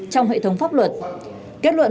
trong hệ thống pháp luật kết luận